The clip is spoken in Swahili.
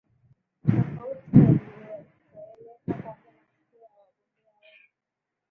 Tofauti na ilivyozoeleka kwenye matukio ya wagombea wenza